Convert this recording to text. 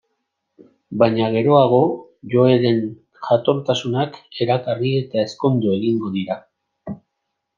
Baina geroago Joeren jatortasunak erakarri eta ezkondu egingo dira.